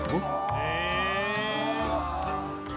へえ！